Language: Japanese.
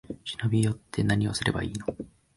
忍び寄って、なにをすればいいの？